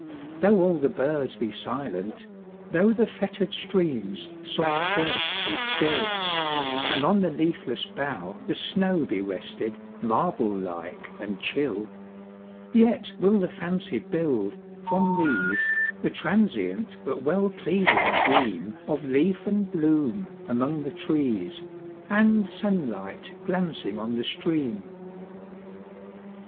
Though all the birds be silent,—thoughThe fettered stream's soft voice be still, And on the leafless bough the snowBe rested, marble like and chill,—Yet will the fancy build, from these, The transient but well pleasing dreamOf leaf and bloom among the trees, And sunlight glancing on the stream.